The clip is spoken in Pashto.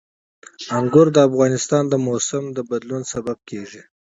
انګور د افغانستان د موسم د بدلون سبب کېږي.